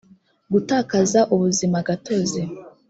gutakaza ubuzima gatozi